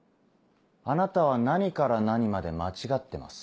あなたは何から何まで間違ってます。